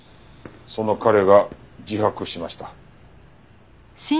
その彼が自白しました。